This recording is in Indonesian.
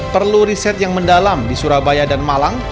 perlu riset yang mendalam di surabaya dan malang